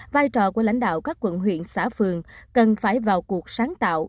vai trò của lãnh đạo các quận huyện xã phường cần phải vào cuộc sáng tạo